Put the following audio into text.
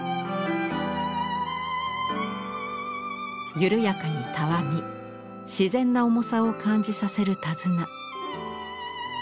緩やかにたわみ自然な重さを感じさせる手綱。